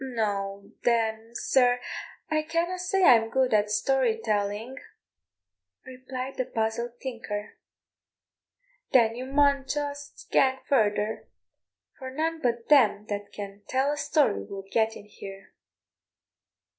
"No, then, sir, I canna say I'm good at story telling," replied the puzzled tinker. "Then you maun just gang further, for none but them that can tell a story will get in here."